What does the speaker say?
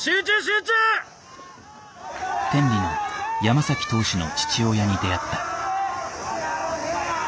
天理の山投手の父親に出会った。